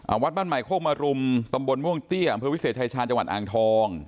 วัดบ้านใหม่โคกมรุมตำบลม่วงเตี้ยอำเภอวิเศษชายชาญจังหวัดอ่างทอง